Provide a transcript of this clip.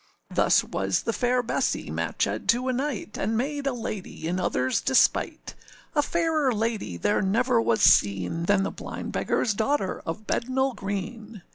Thus was the fair Bessee matchèd to a knight, And made a lady in otherâs despite. A fairer lady there never was seen Than the blind beggarâs daughter of Bednall Green.